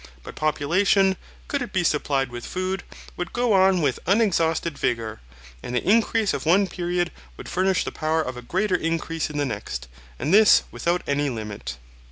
But population, could it be supplied with food, would go on with unexhausted vigour, and the increase of one period would furnish the power of a greater increase the next, and this without any limit.)